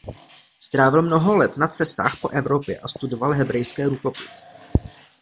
Strávil mnoho let na cestách po Evropě a studoval hebrejské rukopisy.